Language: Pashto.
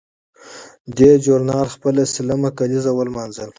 دې ژورنال خپله سلمه کالیزه ولمانځله.